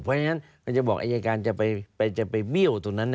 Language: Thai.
เพราะฉะนั้นมันจะบอกอายการจะไปเบี้ยวตรงนั้น